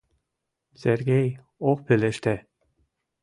Сергей ок пелеште.